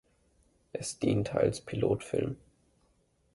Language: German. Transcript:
Es diente als Pilotfilm.